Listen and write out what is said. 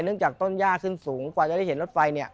จากต้นย่าขึ้นสูงกว่าจะได้เห็นรถไฟ